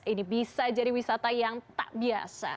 ini bisa jadi wisata yang tak biasa